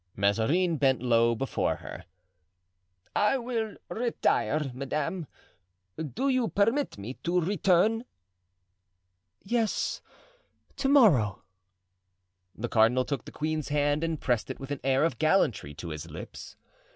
Mazarin bent low before her. "I will retire, madame. Do you permit me to return?" "Yes, to morrow." The cardinal took the queen's hand and pressed it with an air of gallantry to his lips.